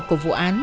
của vụ án